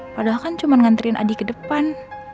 padahal kan cuma nganterin adik ke depan